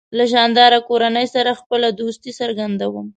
له شانداره کورنۍ سره خپله دوستي څرګندوم.